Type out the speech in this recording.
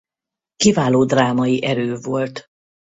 Kiváló drámai erő volt.